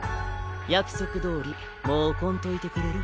約束どおりもう来んといてくれる？